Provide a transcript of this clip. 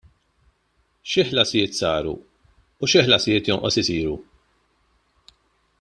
Xi ħlasijiet saru u xi ħlasijiet jonqos isiru?